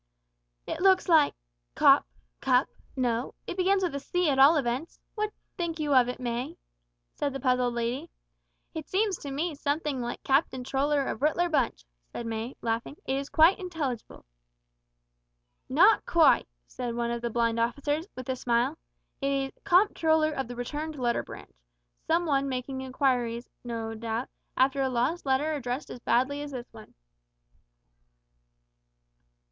"It looks like Cop Cup no it begins with a C at all events. What think you of it, May?" said the puzzled lady. "It seems to me something like Captain Troller of Rittler Bunch," said May, laughing. "It is quite illegible." "Not quite," said one of the blind officers, with a smile. "It is Comptroller of the Returned Letter Branch. Some one making inquiries, no doubt, after a lost letter addressed as badly as this one."